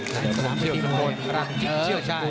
นายสนามชื่อสมบูรณ์ชื่อชาย